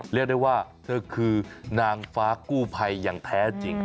เรียกได้ว่าเธอคือนางฟ้ากู้ภัยอย่างแท้จริง